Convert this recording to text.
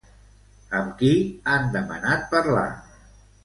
Amb qui han demanat parlar?